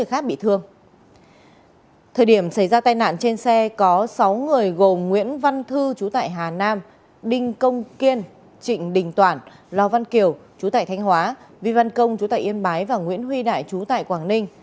thời điểm xảy ra tai nạn trên xe có sáu người gồm nguyễn văn thư chú tại hà nam đinh công kiên trịnh đình toản lò văn kiều chú tại thanh hóa vi văn công chú tại yên bái và nguyễn huy đại chú tại quảng ninh